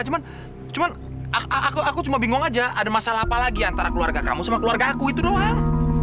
cuman aku cuma bingung aja ada masalah apa lagi antara keluarga kamu sama keluarga aku itu doang